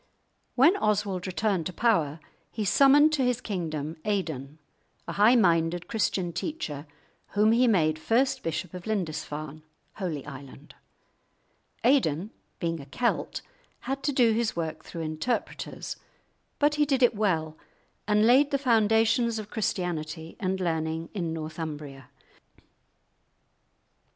When Oswald returned to power he summoned to his kingdom Aidan, a high minded Christian teacher, whom he made first bishop of Lindisfarne (Holy Island). Aidan being a Celt, had to do his work through interpreters, but he did it well, and laid the foundations of Christianity and learning in Northumbria.